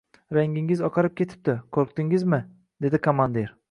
— Rangingiz oqarib ketibdi, qo‘rqdingizmi? — dedi komandir.